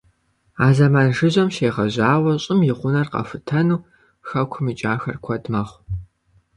А зэман жыжьэм щегъэжьауэ щӀым и гъунэр къахутэну хэкум икӀахэр куэд мэхъу.